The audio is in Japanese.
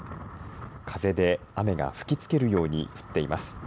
風で雨が吹きつけるように降っています。